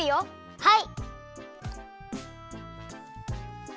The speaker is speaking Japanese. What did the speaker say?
はい。